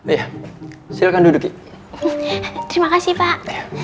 iya silakan duduk terima kasih pak